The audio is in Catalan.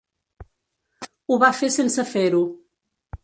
Ho va fer sense fer-ho.